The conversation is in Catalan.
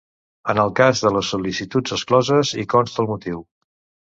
En el cas de les sol·licituds excloses hi consta el motiu.